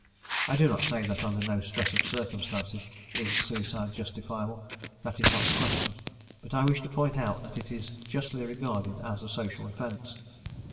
I do not say that under no stress of circumstances is suicide justifiable; that is not the question; but I wish to point out that it is justly regarded as a social offence.